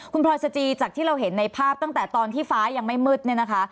คุณพลอยสจีจากที่เราเห็นในภาพตั้งแต่ตอนที่ฟ้ายังไม่มืดเนี่ยนะคะ